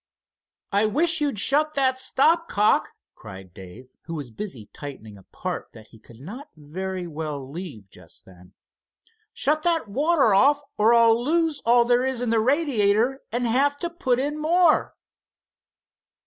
"I wish you'd shut that stop cock!" cried Dave, who was busy tightening a part that he could not very well leave just then. "Shut that water off, or I'll lose all there is in the radiator, and have to put in more."